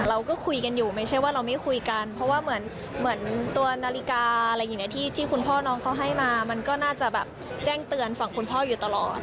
เราก็คุยกันอยู่ไม่ใช่ว่าเราไม่คุยกันเพราะว่าเหมือนตัวนาฬิกาอะไรอย่างนี้ที่คุณพ่อน้องเขาให้มามันก็น่าจะแบบแจ้งเตือนฝั่งคุณพ่ออยู่ตลอด